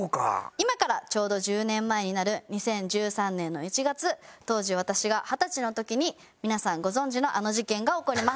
今からちょうど１０年前になる２０１３年の１月当時私が二十歳の時に皆さんご存じのあの事件が起こります。